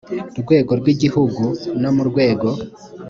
rwego rw ibihugu no mu rwego